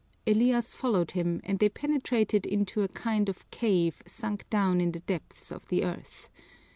Elias followed him, and they penetrated into a kind of cave sunk down in the depths of the earth.